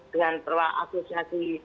dengan perwakil asosiasi